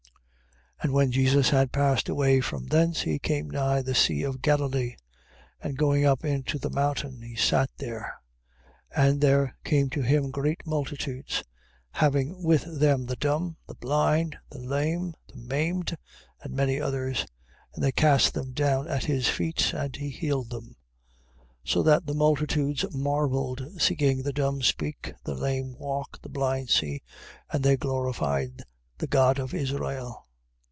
15:29. And when Jesus had passed away from thence, he came nigh the sea of Galilee: and going up into a mountain, he sat there. 15:30. And there came to him great multitudes, having with them the dumb, the blind, the lame, the maimed, and many others: and they cast them down at his feet, and he healed them: 15:31. So that the multitudes marvelled seeing the dumb speak, the lame walk, the blind see: and they glorified the God of Israel.